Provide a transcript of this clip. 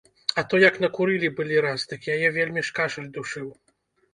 А то як накурылі былі раз, дык яе вельмі ж кашаль душыў.